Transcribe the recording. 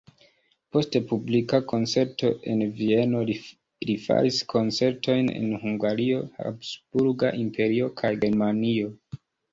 Post publika koncerto en Vieno li faris koncertojn en Hungario, Habsburga Imperio kaj Germanio.